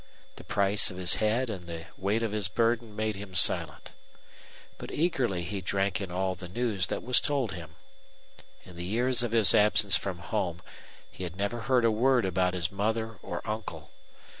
The price of his head and the weight of his burden made him silent. But eagerly he drank in all the news that was told him. In the years of his absence from home he had never heard a word about his mother or uncle.